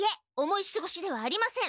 思いすごしではありません。